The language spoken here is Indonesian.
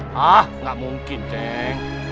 hah gak mungkin deng